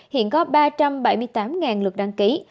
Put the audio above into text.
hiện có ba trăm bảy mươi tám lượt đăng ký